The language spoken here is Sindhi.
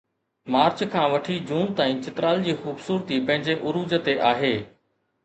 مارچ کان وٺي جون تائين چترال جي خوبصورتي پنهنجي عروج تي آهي